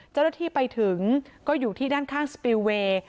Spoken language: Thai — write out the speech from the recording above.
เจ้าหน้าที่ไปถึงก็อยู่ที่ด้านข้างสปิลเวย์